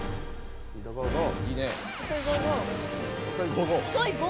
スピードゴーゴー！